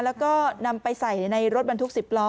แล้วก็นำไปใส่ในรถบรรทุก๑๐ล้อ